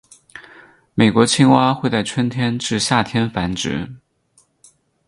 美国青蛙会在春天至夏天繁殖。